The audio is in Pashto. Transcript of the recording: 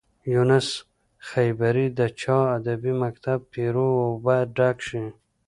یونس خیبري د چا ادبي مکتب پيرو و باید ډک شي.